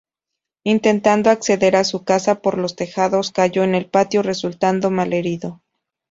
Intentando acceder a su casa por los tejados cayó en el patio, resultando malherido.